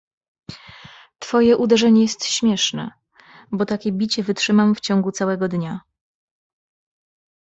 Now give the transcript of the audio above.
"Twoje uderzenie jest śmieszne, bo takie bicie wytrzymam w ciągu całego dnia."